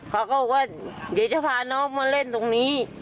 เขาก็บอกว่าเดี๋ยวจะพาน้องมาเล่นตรงนี้